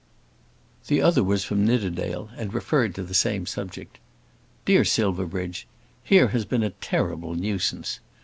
The other was from Nidderdale, and referred to the same subject. DEAR SILVERBRIDGE, Here has been a terrible nuisance.